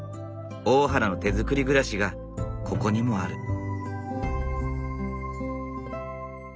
大原の手づくり暮らしがここにもある。